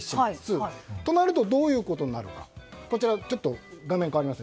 そうなるとどういうことになるか。